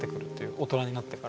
大人になってから。